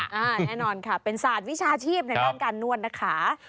แน่นอนค่ะเป็นศาสตร์วิชาชีพในด้านการนวดนะคะ